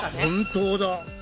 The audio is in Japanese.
本当だ！